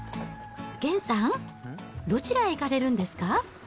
げんさん、どちらへ行かれるんですか？